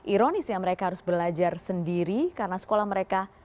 ironisnya mereka harus belajar sendiri karena sekolah mereka